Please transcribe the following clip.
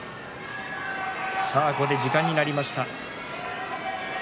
これで時間になりました。